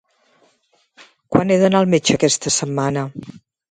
Quan he d'anar al metge aquesta setmana?